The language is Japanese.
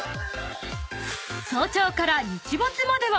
［早朝から日没までは］